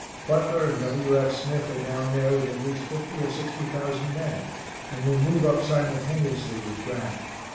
Butler and W. F. Smith are down there with at least fifty or sixty thousand men, and will move up simultaneously with Grant.